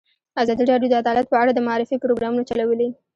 ازادي راډیو د عدالت په اړه د معارفې پروګرامونه چلولي.